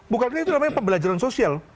bukannya itu namanya pembelajaran sosial